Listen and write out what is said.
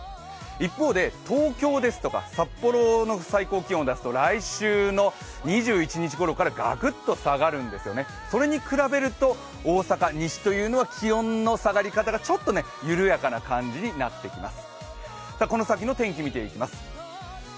一方で、東京ですとか札幌の最高気温を出すと、来週の２１日ごろからがくっと下がるんですよね、それに比べると大阪、西というのは、気温の下がり方がちょっと緩やかな感じになってきます。